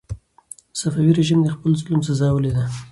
صفوي رژیم د خپل ظلم سزا ولیده.